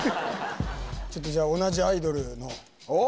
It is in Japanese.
ちょっとじゃあ同じアイドルのおっ？